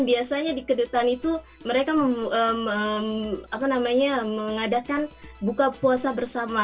biasanya di kedutaan itu mereka mengadakan buka puasa bersama